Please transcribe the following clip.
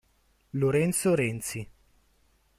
Lorenzo Renzi